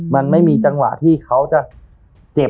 มันไม่มีจังหวะที่เขาจะเจ็บ